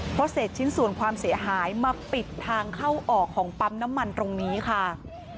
เพราะเศษชิ้นส่วนความเสียหายมาปิดทางเข้าออกของปั๊มน้ำมันตรงนี้ค่ะ